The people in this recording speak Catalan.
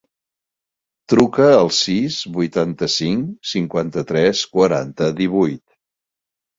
Truca al sis, vuitanta-cinc, cinquanta-tres, quaranta, divuit.